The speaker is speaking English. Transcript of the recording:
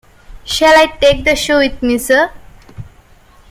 Shall I take the shoe with me, sir?